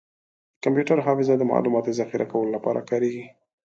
کمپیوټر حافظه د معلوماتو ذخیره کولو لپاره کارېږي.